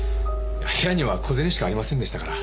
部屋には小銭しかありませんでしたから。